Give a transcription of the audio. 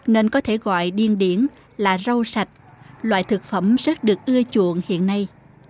nên có thể gọi điên điển là rau sạch loại thực phẩm rất được ưa chuộng hiện nay